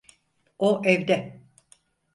O evde.